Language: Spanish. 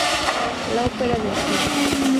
La ópera del tiempo.